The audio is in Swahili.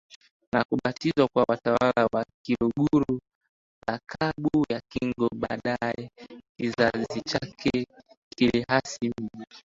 na kubatizwa na watawala wa Kiluguru lakabu ya Kingo baadaye kizazi chake kiliasisi mji